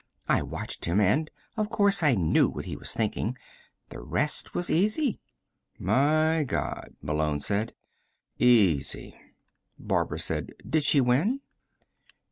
I watched him, and, of course, I knew what he was thinking. The rest was easy." "My God," Malone said. "Easy." Barbara said: "Did she win?"